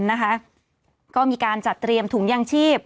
จากกลุ่มบริษัทน้ำตาลเอลวันนะคะก็มีการจัดเตรียมถุงยางชีพ